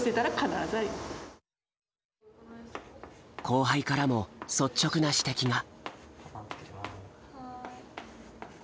後輩からも率直な指摘が。